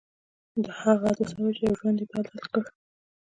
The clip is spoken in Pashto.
دا هغه حادثه وه چې يو ژوند يې بدل کړ.